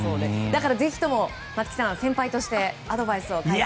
だからぜひとも松木さん、先輩としてアドバイスを。